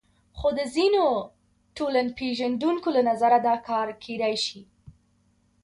خو د ځینو ټولنپېژندونکو له نظره دا کار کېدای شي.